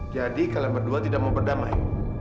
jadi kalian berdua tidak mau berdamai